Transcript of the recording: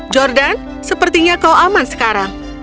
jordan sepertinya kau aman sekarang